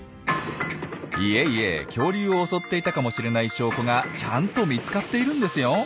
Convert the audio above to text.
いえいえ恐竜を襲っていたかもしれない証拠がちゃんと見つかっているんですよ。